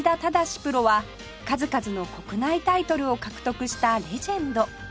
プロは数々の国内タイトルを獲得したレジェンド